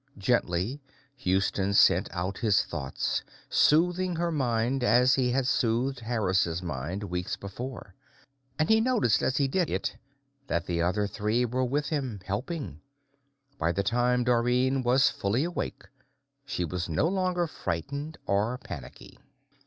Gently, Houston sent out his thoughts, soothing her mind as he had soothed Harris's mind weeks before. And he noticed, as he did it, that the other three were with him, helping. By the time Dorrine was fully awake, she was no longer frightened or panicky.